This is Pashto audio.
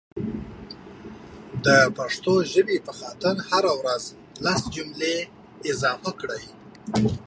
دا پښتو ژبې په خاطر هره ورځ لس جملي اضافه کړئ